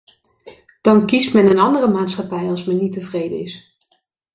Dan kiest men een andere maatschappij als men niet tevreden is.